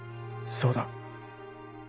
そうだ。